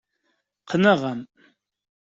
Qqneɣ-am.